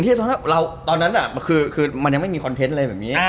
ตอนนั้นคือมันยังไม่มีคอนเทนต์อะไรแบบนี้